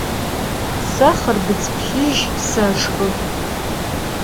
Se xhırbıdz plhıj seşşxı.